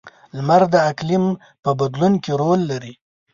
• لمر د اقلیم په بدلون کې رول لري.